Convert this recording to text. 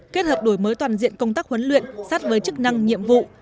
kết hợp đổi mới toàn diện công tác huấn luyện sát với chức năng nhiệm vụ